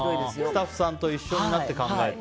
スタッフさんと一緒になって考えて。